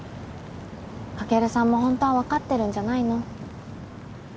カケルさんも本当は分かってるんじゃないの？